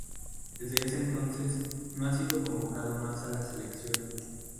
Desde ese entonces, no ha sido convocado más a la selección.